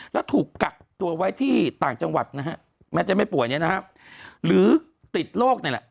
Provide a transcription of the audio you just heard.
แล้วถูกกักตัวไว้ที่ต่างจังหวัดนะฮะแม้จะไม่ป่วยเนี่ยนะฮะหรือติดโรคนี่แหละ